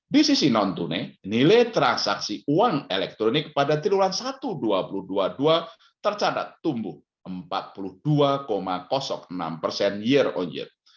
di sisi non tunai nilai transaksi uang elektronik pada triwulan satu dua ribu dua puluh dua tercatat tumbuh empat puluh dua enam persen year on year